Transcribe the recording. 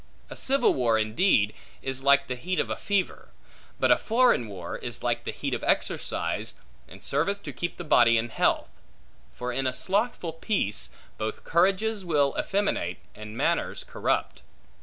A civil war, indeed, is like the heat of a fever; but a foreign war is like the heat of exercise, and serveth to keep the body in health; for in a slothful peace, both courages will effeminate, and manners corrupt.